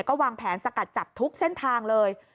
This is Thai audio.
ก็วางแผนสกัดจับทุกเส้นทางเลย